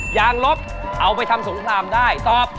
ยางลบเอาไปทำสงครามได้ตอบ